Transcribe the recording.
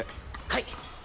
はい。